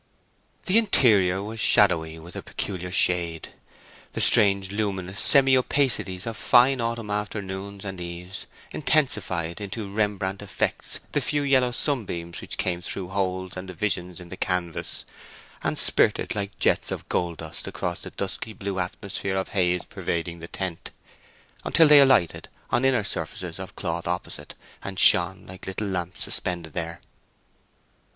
The interior was shadowy with a peculiar shade. The strange luminous semi opacities of fine autumn afternoons and eves intensified into Rembrandt effects the few yellow sunbeams which came through holes and divisions in the canvas, and spirted like jets of gold dust across the dusky blue atmosphere of haze pervading the tent, until they alighted on inner surfaces of cloth opposite, and shone like little lamps suspended there.